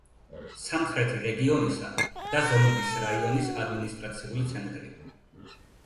სამხრეთი რეგიონისა და ზომბის რაიონის ადმინისტრაციული ცენტრი.